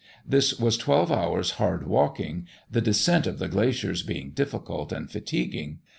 This was twelve hours' hard walking, the descent of the glaciers being difficult and fatiguing.